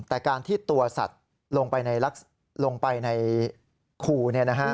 แต่การที่ตัวสัตว์ลงไปในคู